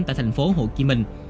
tại thành phố hồ chí minh